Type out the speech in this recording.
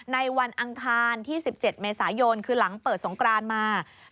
วันอังคารที่๑๗เมษายนคือหลังเปิดสงกรานมา